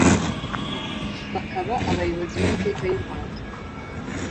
bakaba abayobozi b’amateka y’ u Rwanda,